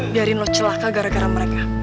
biarin los celaka gara gara mereka